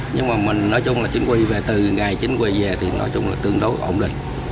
nhưng mà mình nói chung là chính quy về từ ngày chính quy về thì nói chung là tương đối ổn định